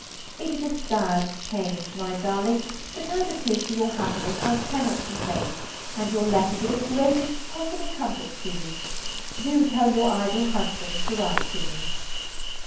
<< It is a sad change, my darling, but as it is for your happiness I cannot complain, and your letters are the greatest possible comfort to me. Do tell your idle husband to write to me."